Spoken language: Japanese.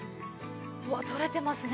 うわ取れてますね。